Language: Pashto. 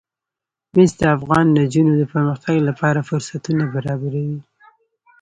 مس د افغان نجونو د پرمختګ لپاره فرصتونه برابروي.